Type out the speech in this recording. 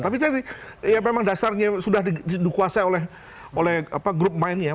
tapi jadi ya memang dasarnya sudah dikuasai oleh grup mainnya ya